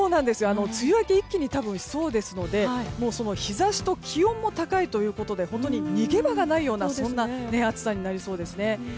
梅雨明けに一気にきそうですので日差しと気温も高いということで本当に逃げ場がないような暑さになりそうですね。